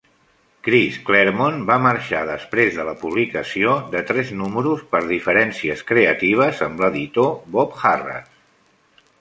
Chris Claremont va marxar després de la publicació de tres números per diferències creatives amb l'editor Bob Harras.